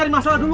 eh dia sembunyi